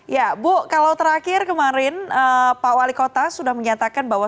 ya bu kalau terakhir kemarin pak wali kota sudah menyatakan bahwa